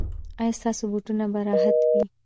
ایا ستاسو بوټونه به راحت وي؟